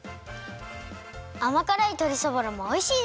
あまからいとりそぼろもおいしいです！